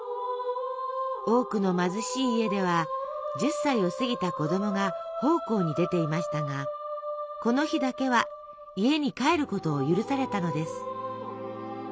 多くの貧しい家では１０歳を過ぎた子どもが奉公に出ていましたがこの日だけは家に帰ることを許されたのです。